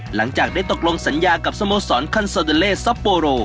หลังจากได้ตกลงสัญญากับสโมสรคันโซเดอเลซัปโปโร